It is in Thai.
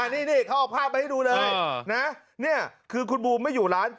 นี่เขาเอาภาพไปให้ดูเลยนะนี่คือคุณบูมไม่อยู่ร้าน